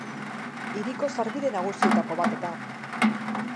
Hiriko sarbide nagusienetako bat da.